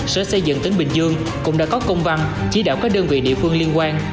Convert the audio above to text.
sở xây dựng tỉnh bình dương cũng đã có công văn chỉ đạo các đơn vị địa phương liên quan